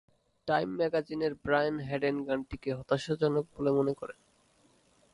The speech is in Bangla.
"টাইম" ম্যাগাজিনের ব্রায়ান হ্যাডেন গানটিকে হতাশাজনক বলে মনে করেন।